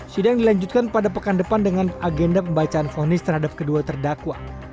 sidang dilanjutkan pada pekan depan dengan agenda pembacaan fonis terhadap kedua terdakwa